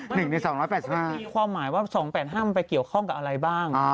หนึ่งใน๒๘๕มันมีความหมายว่า๒๘๕มันไปเกี่ยวข้องกับอะไรบ้าง